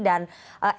dan esensinya ada